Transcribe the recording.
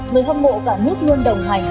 người hâm mộ cả nước luôn đồng hành